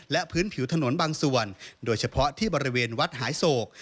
และพื้นผิวถนนบางส่วนโดยเฉพาะที่บริเวณวัดหายโศก